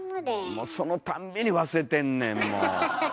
もうそのたんびに忘れてんねんもう。